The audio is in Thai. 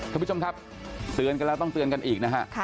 ท่านผู้ชมครับเตือนกันแล้วต้องเตือนกันอีกนะฮะ